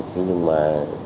thế nhưng mà